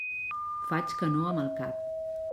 Faig que no amb el cap.